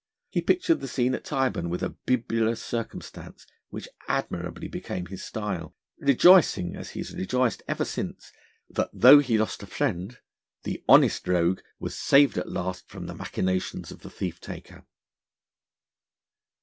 He pictured the scene at Tyburn with a bibulous circumstance, which admirably became his style, rejoicing, as he has rejoiced ever since, that, though he lost a friend, the honest rogue was saved at last from the machinations of the thief taker.